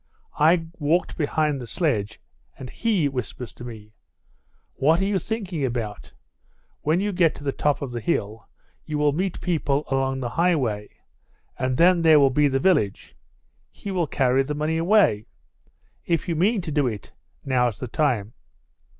I walked behind the sledge and he whispers to me, 'What are you thinking about? When you get to the top of the hill you will meet people along the highway, and then there will be the village. He will carry the money away. If you mean to do it, now's the time.